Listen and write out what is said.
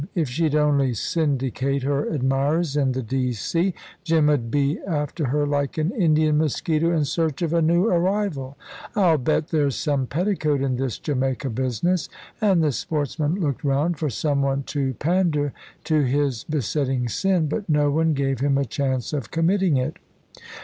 If she'd only syndicate her admirers in the D. C., Jim 'ud be after her like an Indian mosquito in search of a new arrival. I'll bet there's some petticoat in this Jamaica business"; and the sportsman looked round for some one to pander to his besetting sin but no one gave him a chance of committing it.